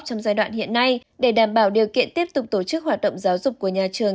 trong giai đoạn hiện nay để đảm bảo điều kiện tiếp tục tổ chức hoạt động giáo dục của nhà trường